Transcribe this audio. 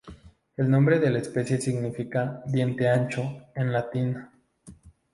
El nombre de la especie significa "diente ancho" en latín.